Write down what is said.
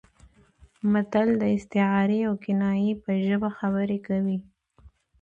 متل د استعارې او کنایې په ژبه خبرې کوي